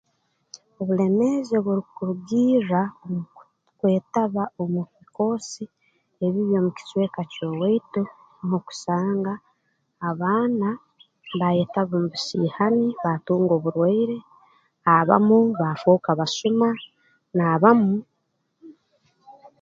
Obulemeezi obu orukurugirra omu kwetaba omu bikoosi ebibi omu kicweka ky'owaitu mukusanga abaana baayetaba mu busiihani baatunga oburwaire abamu baafooka basuma n'abamu